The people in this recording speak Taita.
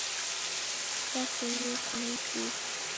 Chapoiye kula ituku